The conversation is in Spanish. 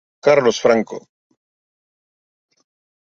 Carlos Franco.